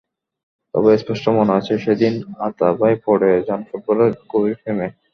তবে স্পষ্ট মনে আছে, সেদিনই আতা ভাই পড়ে যান ফুটবলের গভীর প্রেমে।